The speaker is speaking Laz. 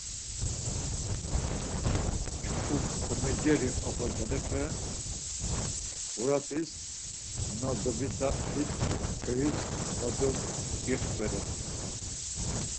Çku komoceri oxorcalepe, bğuratiz, na dobibadit kyoyiz var dobixvert.